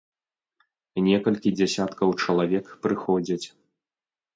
Некалькі дзясяткаў чалавек прыходзяць.